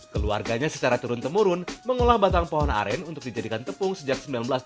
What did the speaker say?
keluarganya secara turun temurun mengolah batang pohon aren untuk dijadikan tepung sejak seribu sembilan ratus tujuh puluh